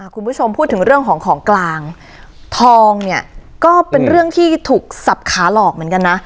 คุณผู้ชมพูดถึงเรื่องของของกลางทองเนี่ยก็เป็นเรื่องที่ถูกสับขาหลอกเหมือนกันนะ